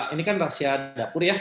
ini kan rahasia dapur ya